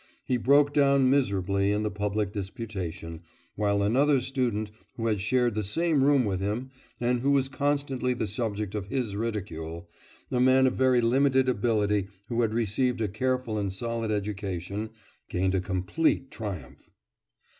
He broke down miserably in the public disputation, while another student who had shared the same room with him, and who was constantly the subject of his ridicule, a man of very limited ability who had received a careful and solid education, gained a complete triumph.